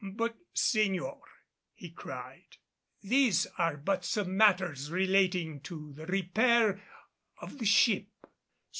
"But, señor," he cried, "these are but some matters relating to the repair of the ship."